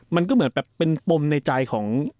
มันก็เหมือนแบบเป็นปมในใจของ